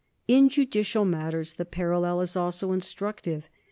In judicial matters the parallel is also instructive.